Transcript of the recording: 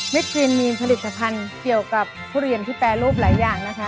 ครีนมีผลิตภัณฑ์เกี่ยวกับทุเรียนที่แปรรูปหลายอย่างนะคะ